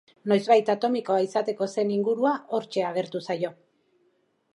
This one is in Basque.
Noizbait atomikoa izatekoa zen ingurua hortxe agertu zaio.